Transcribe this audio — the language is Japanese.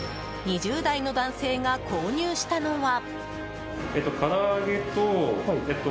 ２０代の男性が購入したのは。